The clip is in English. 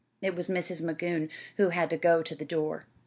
It was Mrs. Magoon who had to go to the door.